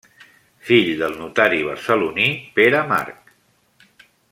Fill del notari barceloní Pere Marc.